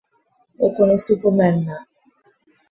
ও কোন সুপারম্যান না!